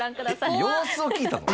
えっ様子を聞いたの？